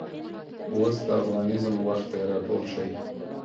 اوس دافغانیزم وخت دی راټول شئ